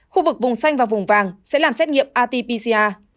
khu vực vùng xanh và vùng vàng sẽ làm xét nghiệm rt pcr